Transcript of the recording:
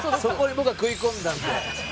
そこに僕が食い込んだんで。